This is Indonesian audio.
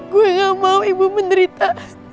gue gak mau ibu menderita